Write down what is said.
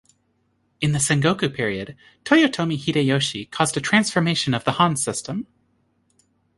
In the Sengoku period, Toyotomi Hideyoshi caused a transformation of the han system.